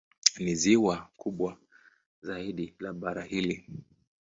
Ni ziwa kubwa zaidi la bara hili.